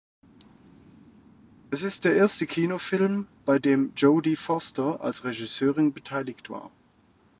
Es ist der erste Kinofilm, bei dem Jodie Foster als Regisseurin beteiligt war.